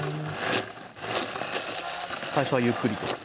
最初はゆっくりと。